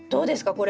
これ。